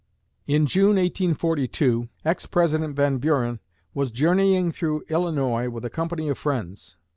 In June, 1842, ex President Van Buren was journeying through Illinois with a company of friends.